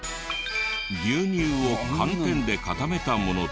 牛乳を寒天で固めたもので。